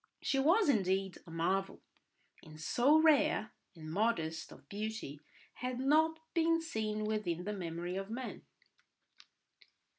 She was indeed a marvel, and so rare and modest of beauty had not been seen within the memory of man.